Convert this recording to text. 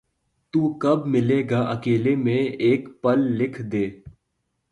تو کب ملے گا اکیلے میں ایک پل لکھ دے